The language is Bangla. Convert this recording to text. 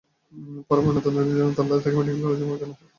পরে ময়নাতদন্তের জন্য তাঁর লাশ ঢাকা মেডিকেল কলেজের মর্গে আনা হয়।